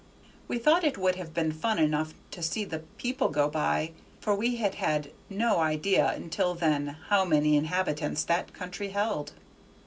We thought it would have been fun enough to see the people go by, for we had had no idea until then how many inhabitants that country held.